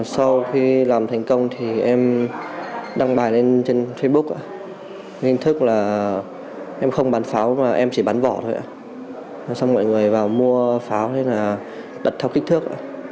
sau khi làm thành công thì em đăng bài lên trên facebook nên thức là em không bán pháo mà em chỉ bán vỏ thôi xong mọi người vào mua pháo thì là đặt theo kích thước